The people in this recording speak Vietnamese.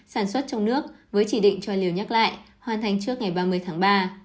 sản xuất trong nước với chỉ định cho liều nhắc lại hoàn thành trước ngày ba mươi tháng ba